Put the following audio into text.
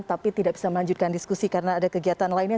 tapi tidak bisa melanjutkan diskusi karena ada kegiatan lainnya